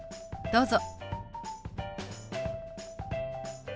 どうぞ。